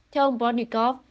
theo ông protnikov